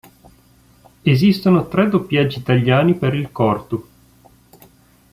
Esistono tre doppiaggi italiani per il corto.